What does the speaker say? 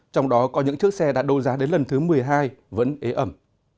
trong đó có những chiếc xe đã đô giá đến lần thứ một mươi hai vẫn ế ẩm